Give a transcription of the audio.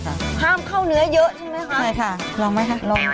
ป้าทำเข้าเนื้อเยอะใช่ไหมคะ